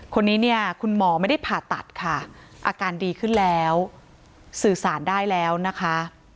คนนี้เนี่ยคุณหมอไม่ได้ผ่าตัดค่ะอาการดีขึ้นแล้วสื่อสารได้แล้วนะคะ